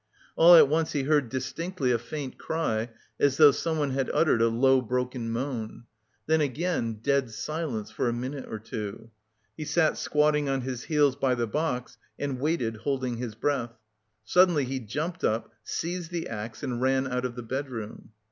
All at once he heard distinctly a faint cry, as though someone had uttered a low broken moan. Then again dead silence for a minute or two. He sat squatting on his heels by the box and waited holding his breath. Suddenly he jumped up, seized the axe and ran out of the bedroom.